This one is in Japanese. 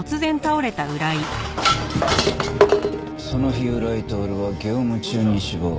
その日浦井徹は業務中に死亡。